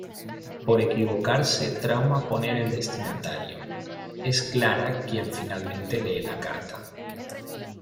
Por equivocarse trauma poner el destinatario, es Clara quien finalmente lee la carta.